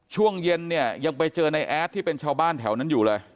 ช่วงเย็นเนี่ยยังไปเจอในแอดที่เป็นชาวบ้านแถวนั้นอยู่เลย